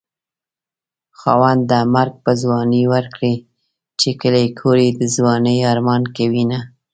خاونده مرګ په ځوانۍ ورکړې چې کلی کور يې د ځوانۍ ارمان کوينه